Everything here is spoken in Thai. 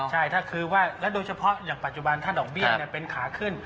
ใช่ถ้าคือว่าแล้วโดยเฉพาะอย่างปัจจุบันถ้าดอกเบี้ยเป็นขาขึ้น